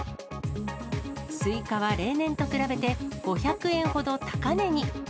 スイカは例年と比べて、５００円ほど高値に。